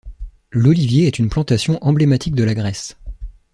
L'olivier est une plantation emblématique de la Grèce.